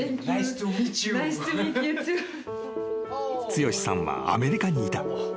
［剛志さんはアメリカにいた］